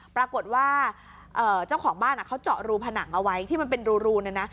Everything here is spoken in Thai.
ปรากฏว่าเจ้าของบ้านเขาเจาะรูผนังเอาไว้ที่มันเป็นรูเนี่ยนะ